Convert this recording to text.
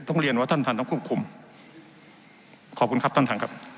เรียนว่าท่านท่านต้องควบคุมขอบคุณครับท่านท่านครับ